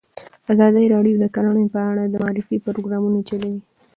ازادي راډیو د کرهنه په اړه د معارفې پروګرامونه چلولي.